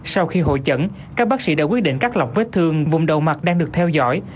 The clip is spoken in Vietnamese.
sau khi hội chẩn các bác sĩ đã quyết định cắt lọc vết thương vùng đầu mặt đang được theo dõi